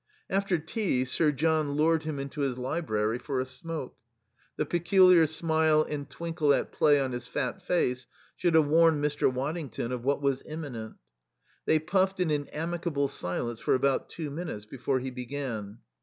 After tea Sir John lured him into his library for a smoke. The peculiar smile and twinkle at play on his fat face should have warned Mr. Waddington of what was imminent. They puffed in an amicable silence for about two minutes before he began.